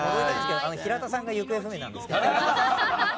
平田さんが行方不明なんですけど。